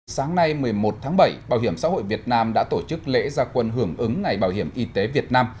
sáng nay một mươi một tháng bảy bảo hiểm xã hội việt nam đã tổ chức lễ gia quân hưởng ứng ngày bảo hiểm y tế việt nam